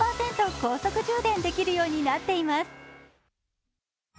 高速充電できるようになっています。